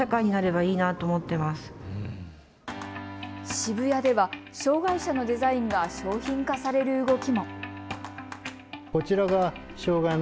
渋谷では障害者のデザインが商品化される動きも。